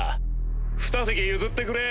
ふた席譲ってくれ。